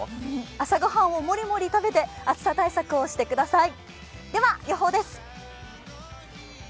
朝御飯をもりもり食べて暑さ対策をしてください。